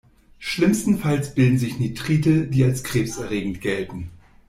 Schlimmstenfalls bilden sich Nitrite, die als krebserregend gelten.